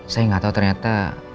saya gak tau ternyata